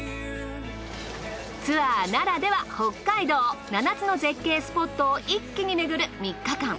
ツアーならでは北海道７つの絶景スポットを一気にめぐる３日間。